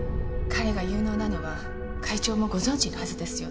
彼が有能なのは会長もご存じのはずですよね。